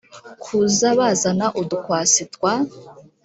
kuza bazana udukwasi twa